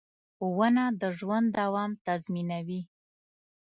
• ونه د ژوند دوام تضمینوي.